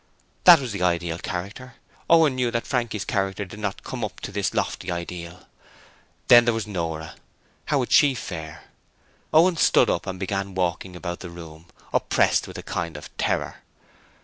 That was the ideal character. Owen knew that Frankie's character did not come up to this lofty ideal. Then there was Nora, how would she fare? Owen stood up and began walking about the room, oppressed with a kind of terror.